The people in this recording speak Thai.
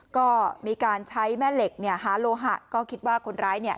ก็มีการใช้แม่เหล็กเนี่ยหาโลหะก็คิดว่าคนร้ายเนี่ย